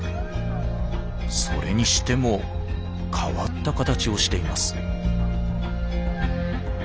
それにしても変わった形をしています。